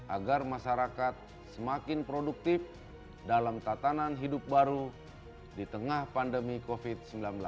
agar masyarakat semakin produktif dalam tatanan hidup baru di tengah pandemi covid sembilan belas